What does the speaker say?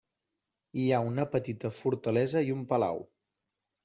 Hi ha una petita fortalesa i un palau.